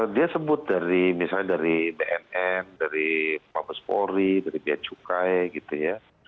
dia sebut dari misalnya dari bnn dari mabes polri dari bia cukai gitu ya